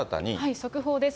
速報です。